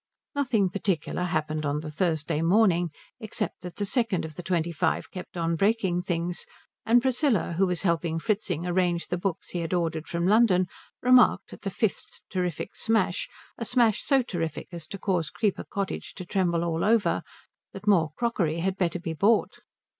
Nothing particular happened on the Thursday morning, except that the second of the twenty five kept on breaking things, and Priscilla who was helping Fritzing arrange the books he had ordered from London remarked at the fifth terrific smash, a smash so terrific as to cause Creeper Cottage to tremble all over, that more crockery had better be bought.